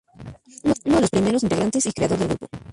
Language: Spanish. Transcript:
Uno de los primeros integrantes y creador del grupo.